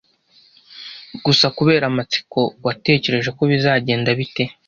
Gusa kubera amatsiko, watekereje ko bizagenda bite?